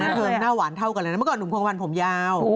น่าเหินน่าหวานเท่ากันเลยนะเมื่อก่อนหนุ่มโครงกระพันธ์ผมยาว